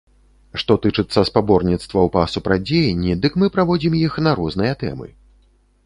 Што тычыцца спаборніцтваў па супрацьдзеянні, дык мы праводзім іх на розныя тэмы.